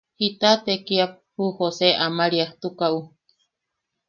¿Jita tekiamk ju Jose Amariastukaʼu?